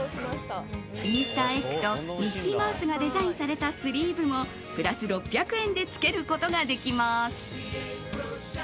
イースターエッグとミッキーマウスがデザインされたスリーブもプラス６００円でつけることができます。